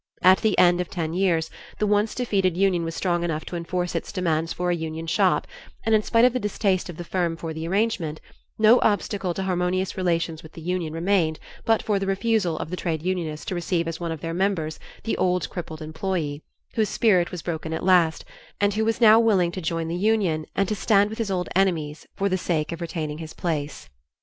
At the end of ten years the once defeated union was strong enough to enforce its demands for a union shop and in spite of the distaste of the firm for the arrangement, no obstacle to harmonious relations with the union remained but for the refusal of the trade unionists to receive as one of their members the old crippled employee, whose spirit was broken as last and who was now willing to join the union and to stand with his old enemies for the sake of retaining his place.